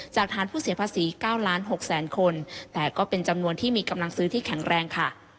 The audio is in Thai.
ฐานผู้เสียภาษี๙ล้าน๖แสนคนแต่ก็เป็นจำนวนที่มีกำลังซื้อที่แข็งแรงค่ะ